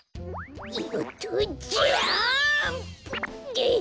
よっとジャンプ！